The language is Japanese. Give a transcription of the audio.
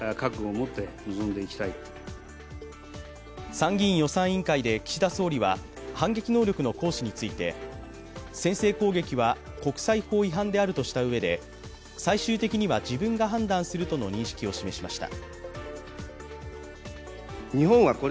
参議院予算委員会で岸田総理は反撃能力の行使について先制攻撃は国際法違反であるとしたうえで最終的には自分が判断するとの認識を示しました。